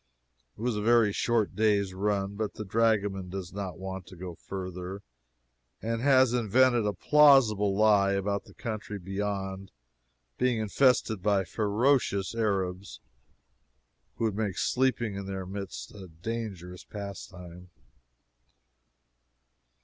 It was a very short day's run, but the dragoman does not want to go further, and has invented a plausible lie about the country beyond this being infested by ferocious Arabs, who would make sleeping in their midst a dangerous pastime.